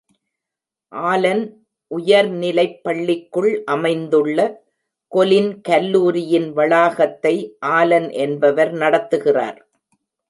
Alan உயர்நிலைப் பள்ளிக்குள் அமைந்துள்ள கொலின் கல்லூரியின் வளாகத்தை ஆலன் என்பவர் நடத்துகிறார்.